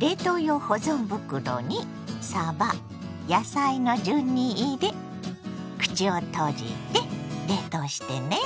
冷凍用保存袋にさば野菜の順に入れ口を閉じて冷凍してね。